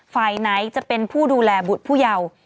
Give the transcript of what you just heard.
ฝ่ายไหนจะเป็นผู้ดูแลบุตรผู้เยาว์